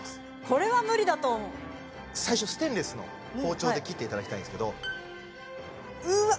これは無理だと思う最初ステンレスの包丁で切っていただきたいんですけどうわ